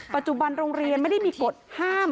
ปัจจุบันโรงเรียนไม่ได้มีกฎห้าม